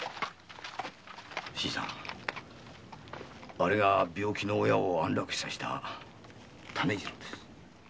あれが病気の親を安楽死させた種次郎です。